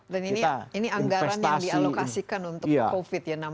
dan ini anggaran yang dialokasikan untuk covid ya